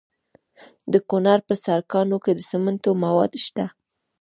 د کونړ په سرکاڼو کې د سمنټو مواد شته.